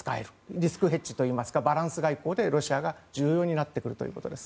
リスクヘッジといいますかバランス外交でロシアが重要になってくるということです。